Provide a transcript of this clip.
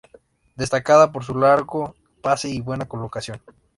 Destacaba por su largo pase y su buena colocación.